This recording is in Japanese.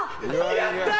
やったー！